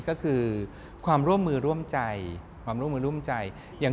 ก็คือความร่วมมือร่วมใจ